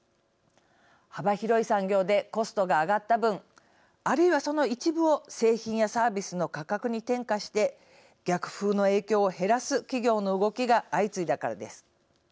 幅広い産業でコストが上がった分あるいはその一部を製品やサービスの価格に転嫁して逆風の影響を減らす企業の動きが相次いだからです。